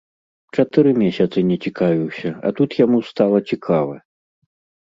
Чатыры месяцы не цікавіўся, а тут яму стала цікава.